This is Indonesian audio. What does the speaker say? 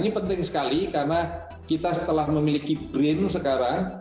ini penting sekali karena kita setelah memiliki brin sekarang